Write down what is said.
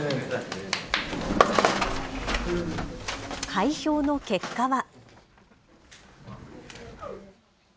開票の結果は。